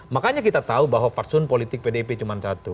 makanya kita tahu bahwa faksun politik pdip cuma satu